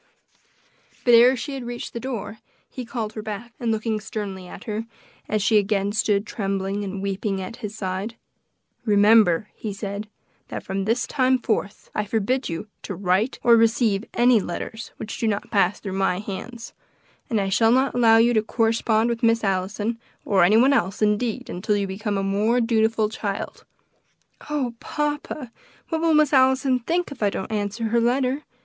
But ere she had reached the door he called her back, and looking sternly at her, as she again stood trembling and weeping at his side, "Remember," he said, "that from this time forth, I forbid you to write or receive any letters which do not pass through my hands, and I shall not allow you to correspond with Miss Allison, or any one else, indeed, until you become a more dutiful child." "Oh, papa! what will Miss Allison think if I don't answer her letter?"